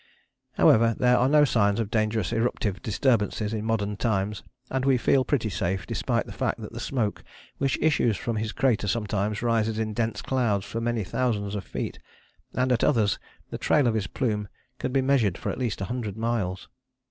However, there are no signs of dangerous eruptive disturbances in modern times, and we feel pretty safe, despite the fact that the smoke which issues from his crater sometimes rises in dense clouds for many thousands of feet, and at others the trail of his plume can be measured for at least a hundred miles.